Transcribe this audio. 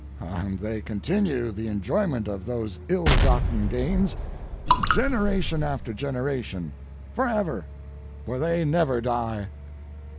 And they continue the enjoyment of those ill gotten gains generation after generation forever, for they never die.